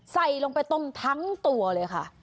ใส่ลงไปต้มทั้งตัวเลยค่ะ